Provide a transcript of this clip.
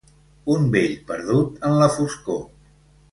Un vell perdut en la foscor.